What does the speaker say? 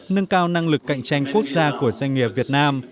nâng cao năng lực cạnh tranh quốc gia của doanh nghiệp việt nam